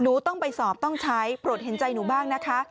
หนูต้องไปสอบต้องใช้โปรดเห็นใจหนูบ้างนะคะ